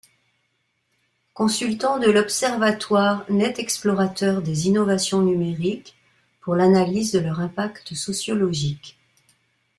Consultant de l’observatoire Netexplorateur des innovations numériques, pour l’analyse de leur impact sociologique.